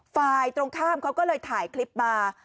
ฝ่ายตรงข้ามเขาก็เลยถ่ายคลิปมา